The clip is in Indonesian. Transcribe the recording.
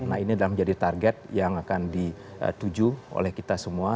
nah ini adalah menjadi target yang akan dituju oleh kita semua